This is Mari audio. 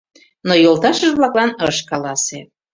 Но йолташыж-влаклан ыш каласе.